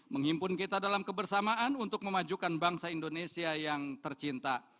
menghimpun kita dalam kebersamaan untuk memajukan bangsa indonesia yang tercinta